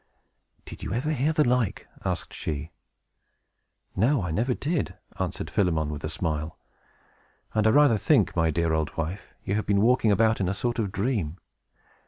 "Did you ever hear the like?" asked she. "No, I never did," answered Philemon, with a smile. "And I rather think, my dear old wife, you have been walking about in a sort of a dream.